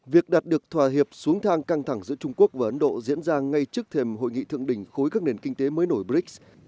việc đạt được thỏa hiệp xuống thang căng thẳng giữa trung quốc và ấn độ diễn ra ngay trước thềm hội nghị thượng đỉnh khối các nền kinh tế mới nổi brics